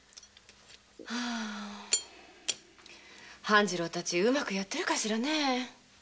半次郎たちうまくやってるかしら？